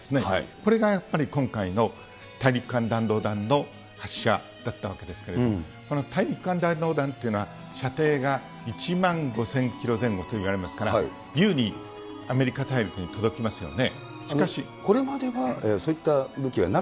これがやっぱり今回の大陸間弾道弾の発射だったわけですけれども、この大陸間弾道弾っていうのは、射程が１万５０００キロ前後といわれますから、ゆうにアメリカ大陸も届きますよね。